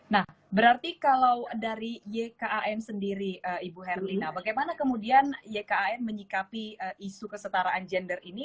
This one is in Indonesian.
nah berarti kalau dari ykan sendiri ibu herlina bagaimana kemudian ykan menyikapi isu kesetaraan gender ini